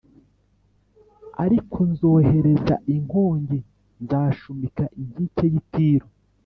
Ariko nzohereza inkongi, nzashumika inkike y’i Tiro